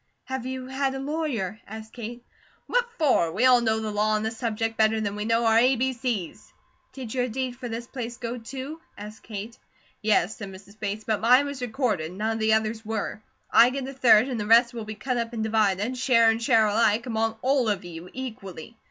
"Have you had a lawyer?" asked Kate. "What for? We all know the law on this subject better than we know our a, b, c's." "Did your deed for this place go, too?" asked Kate. "Yes," said Mrs. Bates, "but mine was recorded, none of the others were. I get a third, and the rest will be cut up and divided, share and share alike, among ALL OF YOU, equally.